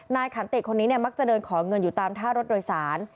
นายขันติกคนนี้เนี่ยมักจะเดินขอเงินอยู่ตามท่ารถโดยศาล